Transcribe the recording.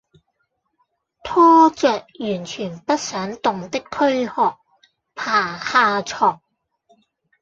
拖著完全不想動的驅殼爬下床